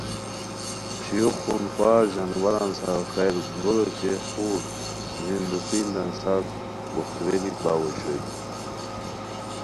چھویو خون خوار ژانواران سار غیر گور اوچے خور جیند و پیندان سار بوہتوئیلیک باؤ اوشوئے